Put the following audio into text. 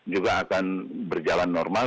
juga akan berjalan normal